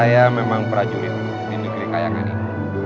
jangan lupa untuk berikan duit